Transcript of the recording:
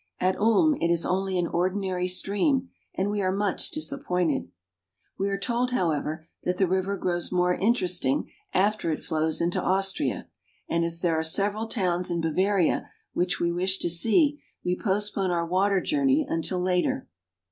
At Ulm it is only an ordinary stream, and we are much disappointed. We are told, however, that the river grows more interest ing after it flows into Austria; and as there are several towns in Bavaria which we wish to see, we postpone our water journey until later.